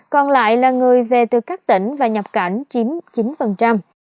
còn lại là người về từ các tỉnh và nhập cảnh chiếm chín